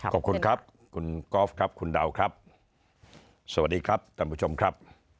ขอบคุณครับคุณกอล์ฟครับคุณดาวครับสวัสดีครับท่านผู้ชมครับ